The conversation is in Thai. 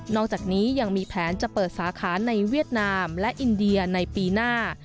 อกจากนี้ยังมีแผนจะเปิดสาขาในเวียดนามและอินเดียในปีหน้า